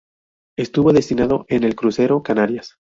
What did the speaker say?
Estuvo destinado en el crucero "Canarias".